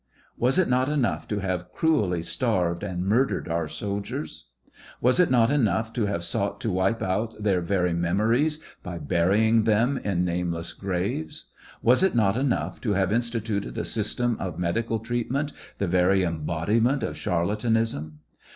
Was it not enough to have cruelly starved and murdered our soldiers 1 Was it not enough to have sought to wipe out their very memories by burying them TRIAL OF HENRY WIRZ. 761 in nameless graves 1 Was it not enough to have instituted a system of medical treatment the very embodiment of pharlatauism